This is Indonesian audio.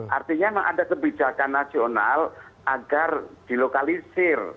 artinya memang ada kebijakan nasional agar dilokalisir